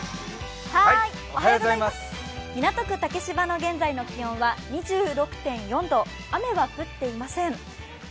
港区竹芝の現在の気温は２６．４度、雨は降っていません。